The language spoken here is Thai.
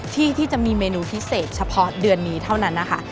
ที่จะมีเมนูพิเศษเฉพาะเดือนนี้เท่านั้นนะคะ